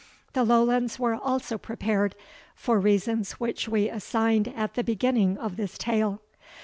The Lowlands were also prepared, for reasons which we assigned at the beginning of this tale.